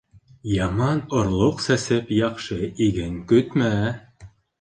Яман орлоҡ сәсеп, яҡшы иген көтмә.